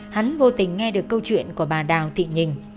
hắn vô tình nghe được câu chuyện của bà đào thị nhìn